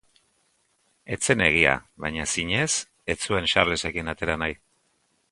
Ez zen egia, baina zinez ez zuen Xarlesekin atera nahi.